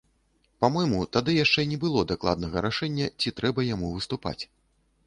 Па-мойму, тады яшчэ не было дакладнага рашэння, ці трэба яму выступаць.